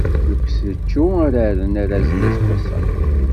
Deg usečču ara rren arazen aseggas-a.